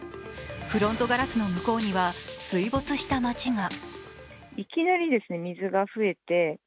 フロントガラスの向こうには水没した町が。